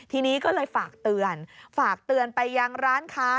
ทีนี้ก็เลยฝากเตือนฝากเตือนไปยังร้านค้า